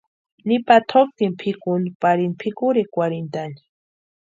Nipa tʼoktini pʼikuni parini pʼikurhikwarhintʼani.